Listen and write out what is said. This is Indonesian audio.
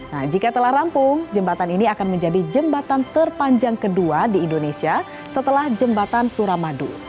nah jika telah rampung jembatan ini akan menjadi jembatan terpanjang kedua di indonesia setelah jembatan suramadu